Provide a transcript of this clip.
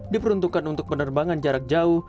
diperuntukkan untuk penerbangan jarak jauh